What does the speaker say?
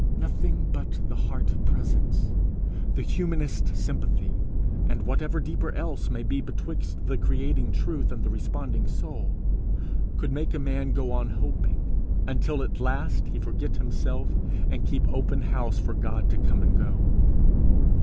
Nothing but the heart presence, the humanest sympathy, and whatever deeper thing else may be betwixt the creating Truth and the responding soul, could make a man go on hoping, until at last he forget himself, and keep open house for God to come and go.